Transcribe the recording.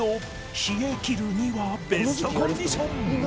冷えきるにはベストコンディション